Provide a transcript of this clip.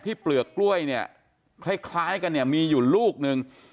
เปลือกกล้วยเนี่ยคล้ายกันเนี่ยมีอยู่ลูกนึง